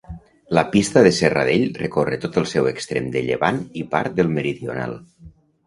La Pista de Serradell recorre tot el seu extrem de llevant i part del meridional.